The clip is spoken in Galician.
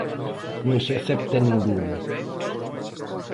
Non se acepta ningunha.